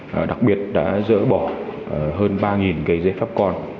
và đặc biệt đã dỡ bỏ hơn ba gây dế phép con